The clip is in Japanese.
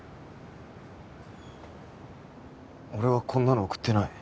俺はこんなの送ってない。